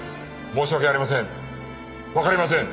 申し訳ありません。